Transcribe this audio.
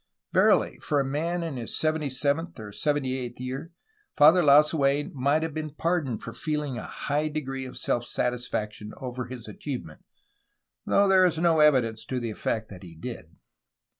Verily, for a man in his seventy seventh or seventy eighth year Father Lasuen might have been pardoned for feehng a high degree of self satisfaction over his achievement, though there is no evidence to the effect that he did.